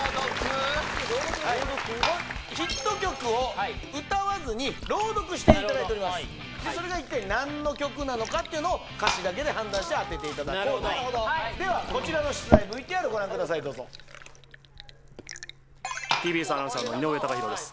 ヒット曲を歌わずに朗読していただいておりますなるほどそれが一体何の曲なのかっていうのを歌詞だけで判断して当てていただこうとではこちらのＴＢＳアナウンサーの井上貴博です